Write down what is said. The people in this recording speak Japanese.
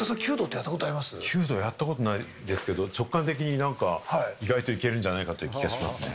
やったことないですけど、直感的に意外といけるんじゃないかという気がしますけど。